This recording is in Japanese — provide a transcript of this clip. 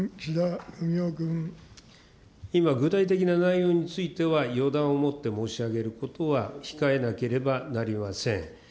今、具体的な内容については、予断をもって申し上げることは控えなければなりません。